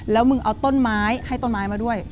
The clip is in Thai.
แล้วมึงเอาต้นไม้ให้ต้นไม้มาด้วย